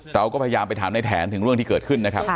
เราก็พยายามไปถามในแถนถึงเรื่องที่เกิดขึ้นนะครับ